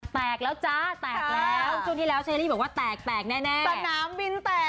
แตกแล้วจ้าแตกแล้วช่วงที่แล้วเชอรี่บอกว่าแตกแตกแน่สนามบินแตก